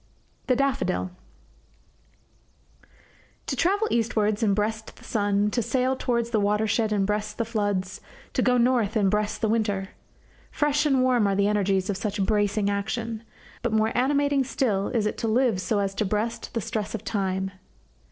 THE DAFFODIL To travel eastwards and breast the sun, to sail towards the watershed and breast the floods, to go north and breast the winter fresh and warm are the energies of such bracing action; but more animating still is it to live so as to breast the stress of time.